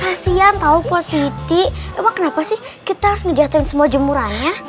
kasian tau pusiti emang kenapa sih kita harus ngejatohin semua jemurannya